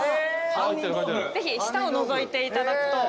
ぜひ下をのぞいていただくと。